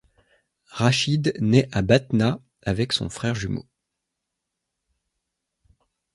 Rachid naît à Batna avec son frère jumeau.